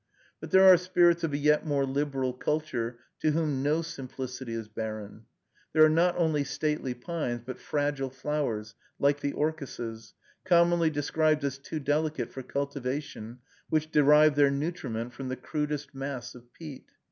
But there are spirits of a yet more liberal culture, to whom no simplicity is barren. There are not only stately pines, but fragile flowers, like the orchises, commonly described as too delicate for cultivation, which derive their nutriment from the crudest mass of peat.